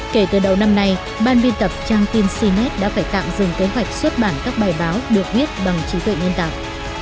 kể từ đầu năm nay ban biên tập trang tin cnnet đã phải tạm dừng kế hoạch xuất bản các bài báo được viết bằng trí tuệ nhân tạo